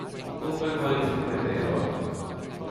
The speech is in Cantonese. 工兵可以清理地雷